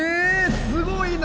すごいな！